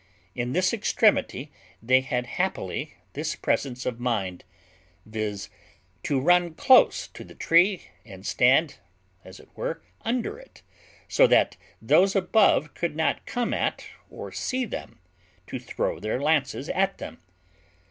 In this extremity, they had happily this presence of mind, viz., to run close to the tree, and stand, as it were, under it; so that those above could not come at, or see them, to throw their lances at them.